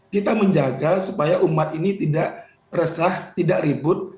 kita menjaga supaya umat ini tidak resah tidak ribut